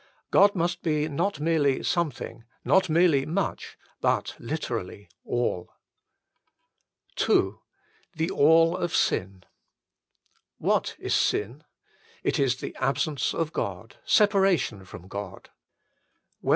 God must be not merely something, not merely much, but literally, AIL II THE ALL OF SIN What is sin ? It is the absence of God ; separation from God.